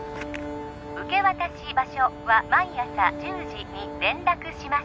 受け渡し場所は毎朝１０時に連絡します